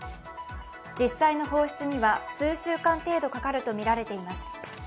実際の放出には数週間程度かかるとみられています。